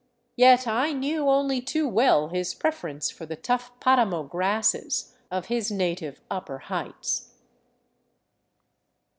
Yet I knew only too well his preference for the tough paramo grasses of his native upper heights.